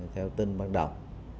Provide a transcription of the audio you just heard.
theo tin bắt đầu